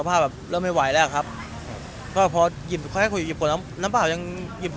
เพราะพอก็ยิบ